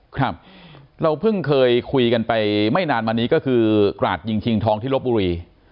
ครับเราเพิ่งเคยคุยกันไปไม่นานมานี้ก็คือกราดยิงชิงทองที่ลบบุรี